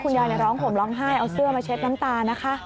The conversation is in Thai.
ยายร้องห่มร้องไห้เอาเสื้อมาเช็ดน้ำตานะคะ